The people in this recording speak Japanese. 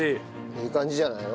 いい感じじゃないの？